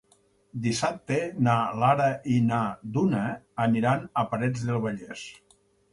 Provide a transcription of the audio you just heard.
Dissabte na Lara i na Duna aniran a Parets del Vallès.